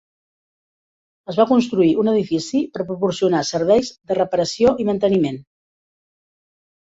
Es va construir un edifici per proporcionar serveis de reparació i manteniment.